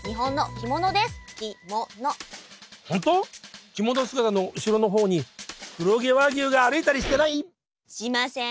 着物姿の後ろの方に黒毛和牛が歩いたりしてない⁉しません！